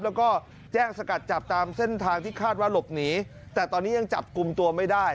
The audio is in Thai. แล้วก็แจ้งสกัดจับตามเส้นทางที่คาดว่าหลบหนีแต่ตอนนี้ยังจับกลุ่มตัวไม่ได้